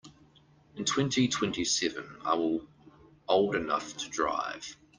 In twenty-twenty-seven I will old enough to drive.